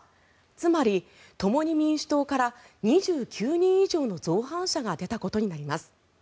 つまり、共に民主党から２９人以上の造反者が出たことになります。